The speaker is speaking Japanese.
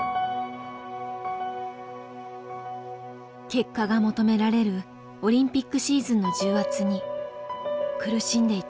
結果が求められるオリンピックシーズンの重圧に苦しんでいた。